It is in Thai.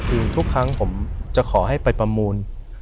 คือทุกครั้งผมจะขอให้ไปประมูล